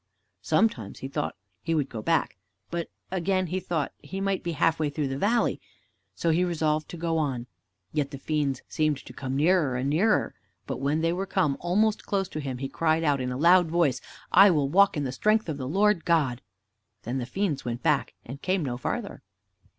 Sometimes he thought he would go back, but again he thought he might be half way through the valley. So he resolved to go on, yet the fiends seemed to come nearer and nearer. But when they were come almost close to him, he cried out in a loud voice, "I will walk in the strength of the Lord God." Then the fiends went back and came no farther.